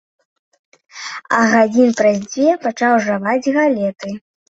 А гадзін праз дзве пачаў жаваць галеты.